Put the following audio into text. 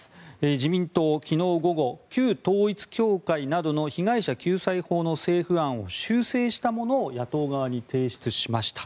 自民党、昨日午後旧統一教会などの被害者救済法の政府案を修正したものを野党側に提出しました。